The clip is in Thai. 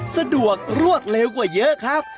สะดวกรวดเร็วกว่าเยอะครับ